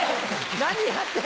何やってんだ。